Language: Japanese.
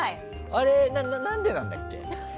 あれは何でなんだっけ？